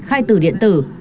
khai tử điện tử